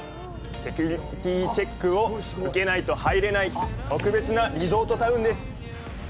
セキュリティチェックを受けないと入れない特別なリゾートタウンです。